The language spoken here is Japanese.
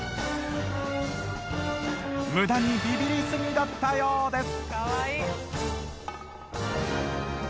無駄にビビりすぎだったようです